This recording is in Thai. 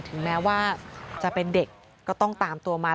ถึงแม้ว่าจะเป็นเด็กก็ต้องตามตัวมา